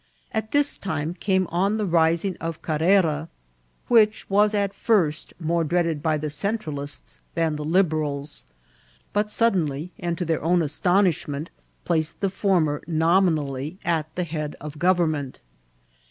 At this time came on the rising of Carrera, which wajs at first more dreaded by the Centralists than the Liberals, but suddenly, and to their own utter astonishment, placed the former nomi« nally at the head of government.